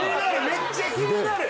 めっちゃ気になる！